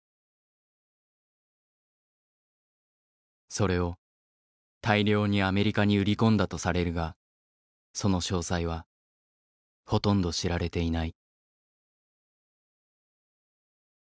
それを大量にアメリカに売り込んだとされるがその詳細はほとんど知られていない。